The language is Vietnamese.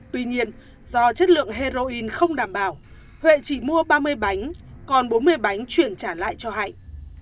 tuy nhiên do chất lượng heroin không đảm bảo huệ chỉ mua ba mươi bánh còn bốn mươi bánh chuyển trả lại cho hạnh